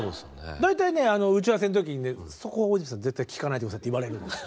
大体ね打ち合わせの時にねそこは大泉さん絶対聞かないで下さいって言われるんですよ。